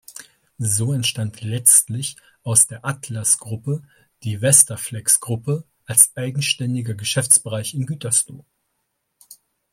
So entstand letztlich aus der Atlas-Gruppe die Westaflex-Gruppe als eigenständiger Geschäftsbereich in Gütersloh.